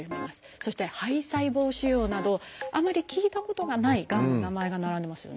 そして「胚細胞腫瘍」などあまり聞いたことがないがんの名前が並んでますよね。